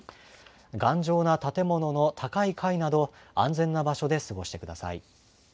頑丈な建物の高い階など安全な場所で過ごしてください。